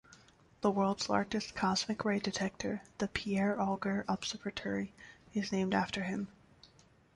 The world's largest cosmic ray detector, the Pierre Auger Observatory, is named after him.